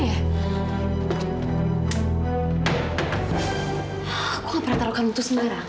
aku gak pernah taruh kamu tuh sendiri rang